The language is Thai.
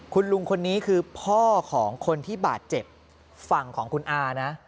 คุณลุงคนนี้คือพ่อของคนที่บาดเจ็บฝั่งของคุณอานะ